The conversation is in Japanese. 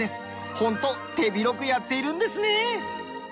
ホント手広くやっているんですねえ！